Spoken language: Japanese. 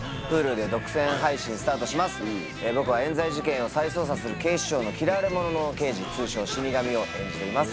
僕は冤罪事件を再捜査する警視庁の嫌われ者の刑事通称死神を演じています。